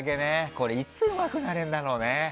これいつうまくなれるんだろうね。